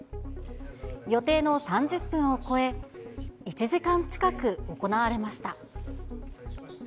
予定の３０分を超え、１時間近く行われました。